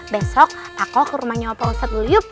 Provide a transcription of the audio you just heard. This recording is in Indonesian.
besok pak kok ke rumahnya pak ustadz dulu yuk